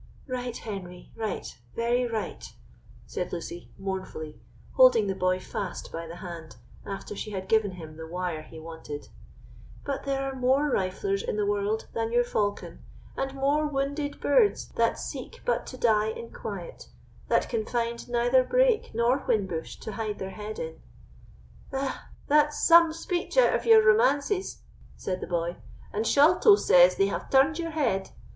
"Right, Henry—right—very right," said Luch, mournfully, holding the boy fast by the hand, after she had given him the wire he wanted; "but there are more riflers in the world than your falcon, and more wounded birds that seek but to die in quiet, that can find neither brake nor whin bush to hide their head in." "Ah! that's some speech out of your romances," said the boy; "and Sholto says they have turned your head.